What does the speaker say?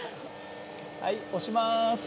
はい押します。